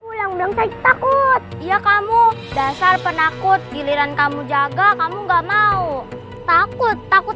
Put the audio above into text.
pulang bangsa takut iya kamu dasar penakut giliran kamu jaga kamu enggak mau takut takut